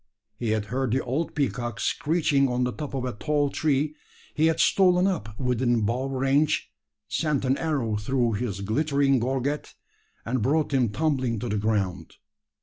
He had heard the old peacock screeching on the top of a tall tree; he had stolen up within bow range, sent an arrow through his glittering gorget, and brought him tumbling to the ground.